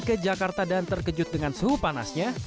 ke jakarta dan terkejut dengan suhu panasnya